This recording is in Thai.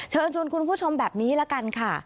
เชิญชวนคุณผู้ชมแบบนี้ละกันค่ะ